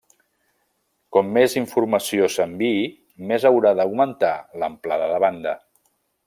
Com més informació s'enviï, més haurà d'augmentar l'amplada de banda.